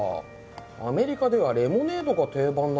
アメリカではレモネードが定番なんだ。